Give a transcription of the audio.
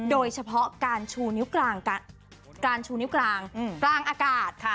โดยเฉพาะการชูนิ้วกลางการชูนิ้วกลางกลางอากาศค่ะ